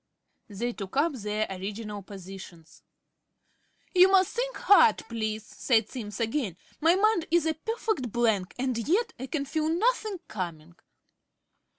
They took up their original positions. "You must think hard, please," said Simms again. "My mind is a perfect blank, and yet I can feel nothing coming."